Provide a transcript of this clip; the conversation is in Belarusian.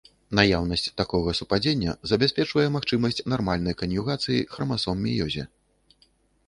Наяўнасць такога супадзення забяспечвае магчымасць нармальнай кан'югацыі храмасом меёзе.